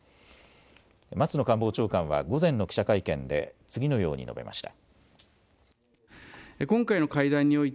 松野官房長官は午前の記者会見で次のように述べました。